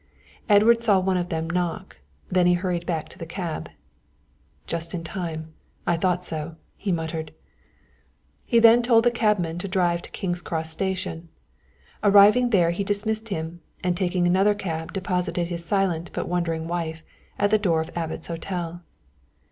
Edward saw one of them knock, then he hurried back to the cab. "Just in time I thought so," he muttered. He then told the cabman to drive to King's Cross station. Arriving there he dismissed him, and taking another cab deposited his silent but wondering wife at the door of Abbot's Hotel.